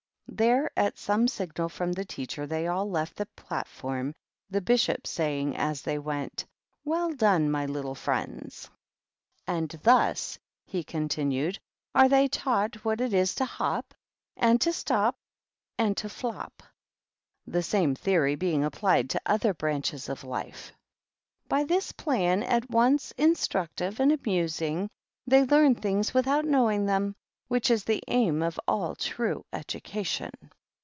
Ther at some signal from the teacher they all left the platform, the Bishop saying, as they went, " Wei done, my little friends !" THE GBEAT OCCASION, 247 "And thus," he continued, "are they taught what it is to hop^ and to stop, and to flop^ the same theory being applied to other branches of life. By this plan, at once instructive and amusing, they learn things without knowing them, which is the aim of all true education.